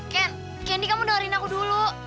ken kendi kamu dengerin aku dulu